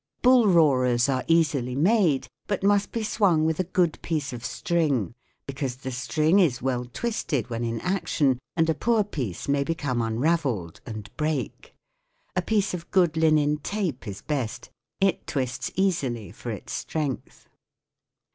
SOUNDS OF THE COUNTRY 119 Poplar made, but must be swung with a good piece of string, because the string is well twisted when in action and a poor piece may become unravelled and break. A piece of good linen tape is best ; it twists easily for its strength.